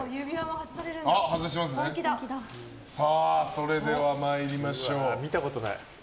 それでは参りましょう。